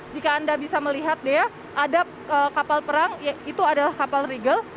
jika anda bisa melihat dea ada kapal perang itu adalah kapal regal